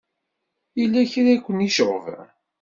Yella kra i ken-iceɣben?